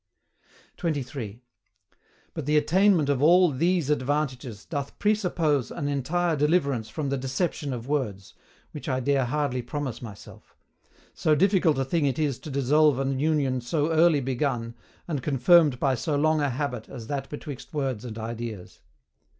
23. But the attainment of all THESE ADVANTAGES doth PRESUPPOSE AN ENTIRE DELIVERANCE FROM THE DECEPTION OF WORDS, which I dare hardly promise myself; so difficult a thing it is to dissolve an union so early begun, and confirmed by so long a habit as that betwixt words and ideas.